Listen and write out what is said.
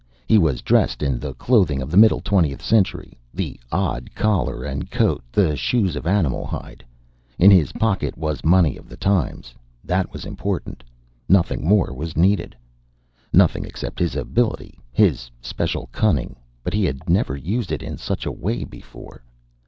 He was dressed in the clothing of the middle twentieth century, the odd collar and coat, the shoes of animal hide. In his pocket was money of the times. That was important. Nothing more was needed. Nothing, except his ability, his special cunning. But he had never used it in such a way before.